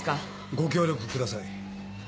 ご協力ください。